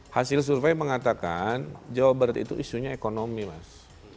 hasil survei mengatakan jawa barat itu isunya ekonomi mas